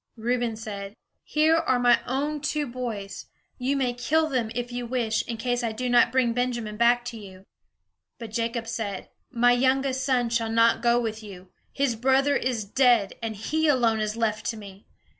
Reuben said: "Here are my own two boys. You may kill them, if you wish, in case I do not bring Benjamin back to you." But Jacob said: "My youngest son shall not go with you. His brother is dead, and he alone is left to me.